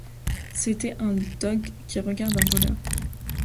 C’était un dogue qui regarde un voleur.